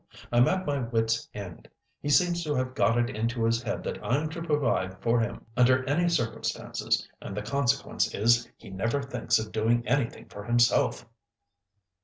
I'm at my wits' end. He seems to have got it into his head that I'm to provide for him under any circumstances, and the consequence is he never thinks of doing anything for himself."